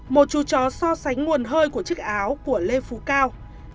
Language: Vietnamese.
một chú chó so sánh nguồn hơi của chiếc áo của lê phú cao